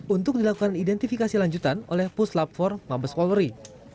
untuk dilakukan identifikasi lanjutan oleh puslab for mabes polri